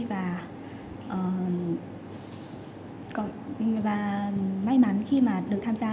và may mắn khi mà được tham gia